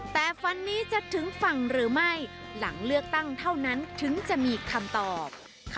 แต่ฟันนี้จะถึงฝั่งหรือไม่หลังเลือกตั้งเท่านั้นถึงจะมีคำตอบ